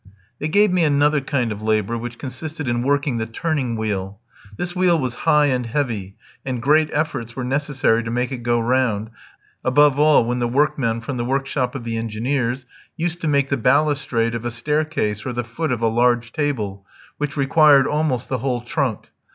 They gave me another kind of labour, which consisted in working the turning wheel. This wheel was high and heavy, and great efforts were necessary to make it go round, above all when the workmen from the workshop of the engineers used to make the balustrade of a staircase or the foot of a large table, which required almost the whole trunk.